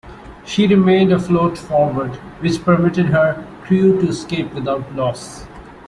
She remained afloat forward, which permitted her crew to escape without loss.